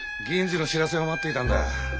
銀次の知らせを待っていたんだ。